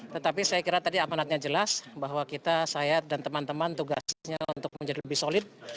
tetapi saya kira tadi amanatnya jelas bahwa kita saya dan teman teman tugasnya untuk menjadi lebih solid